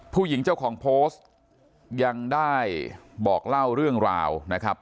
ผู้หญิงเจ้าของโพสต์ยังได้บอกเล่าเรื่องราวนะครับ